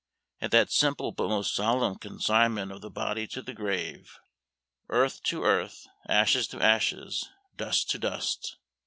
At that simple but most solemn consignment of the body to the grave "Earth to earth, ashes to ashes, dust to dust!"